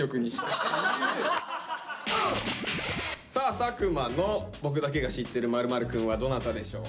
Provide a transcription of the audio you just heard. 作間の「僕だけが知ってる○○くん」はどなたでしょう。